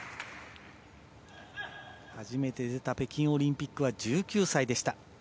初めて出た北京オリンピックは１９歳でした。